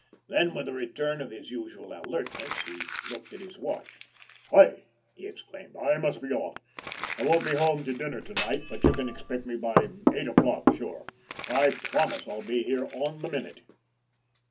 Then, with a return of his usual alertness, he looked at his watch. "Hi!" he exclaimed. "I must be off. I won't be home to dinner to night. But you can expect me by eight o'clock, sure. I promise I'll be here on the minute."